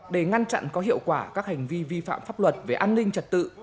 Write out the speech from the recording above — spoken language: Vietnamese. để ngăn chặn có hiệu quả các hành vi vi phạm pháp luật về an ninh trật tự